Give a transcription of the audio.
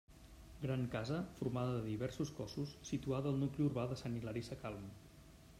Gran casa, formada de diversos cossos, situada al nucli urbà de Sant Hilari Sacalm.